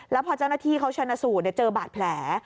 แล้วพอเจ้าหน้าที่เขาชนะสูตรเจอบาดแผล